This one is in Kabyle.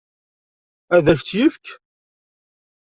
Ad k-tt-yefk?